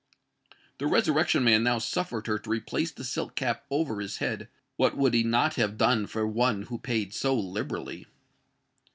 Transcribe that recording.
The Resurrection Man now suffered her to replace the silk cap over his head:—what would he not have done for one who paid so liberally!